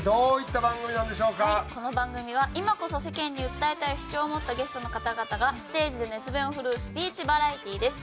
この番組は今こそ世間に訴えたい主張を持ったゲストの方々がステージで熱弁を振るうスピーチバラエティーです。